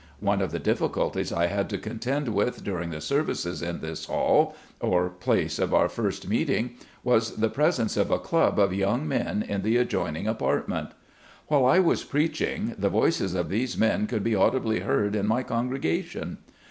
One of the difficulties I had to contend with during the services in this hall, or place of our first meeting, was the presence of a club of young men in the adjoining apartment. While I was preaching the voices of these men could be audibly heard in my congregation.